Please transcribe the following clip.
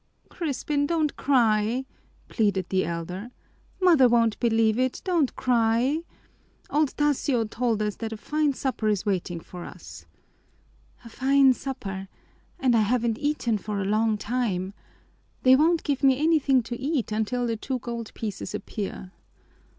"Crispin, don't cry!" pleaded the elder. "Mother won't believe it don't cry! Old Tasio told us that a fine supper is waiting for us." "A fine supper! And I haven't eaten for a long time. They won't give me anything to eat until the two gold pieces appear.